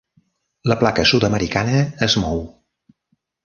La placa sud-americana es mou.